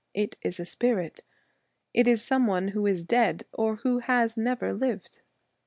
It is a spirit. It is some one who is dead or who has never lived.'